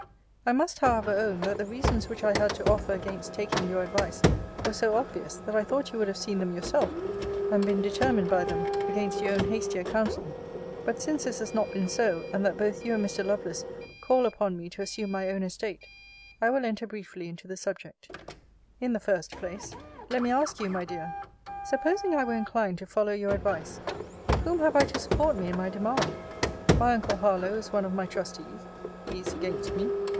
I must however own, that the reasons which I had to offer against taking your advice were so obvious, that I thought you would have seen them yourself, and been determined by them, against your own hastier counsel. But since this has not been so, and that both you and Mr. Lovelace call upon me to assume my own estate, I will enter briefly into the subject. In the first place, let me ask you, my dear, supposing I were inclined to follow your advice, Whom have I to support me in my demand? My uncle Harlowe is one of my trustees he is against me.